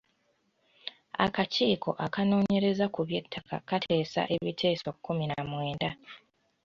Akakiiko akanoonyereza ku by'ettaka kaateesa ebiteeso kkumi na mwenda.